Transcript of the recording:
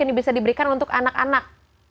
ini bisa diberikan untuk anak anak